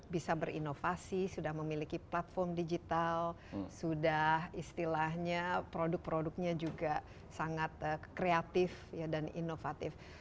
bisa berinovasi sudah memiliki platform digital sudah istilahnya produk produknya juga sangat kreatif dan inovatif